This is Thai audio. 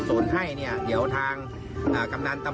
ศพนี้เนี่ยเป็นศพสีทรงเหลืองนะครับ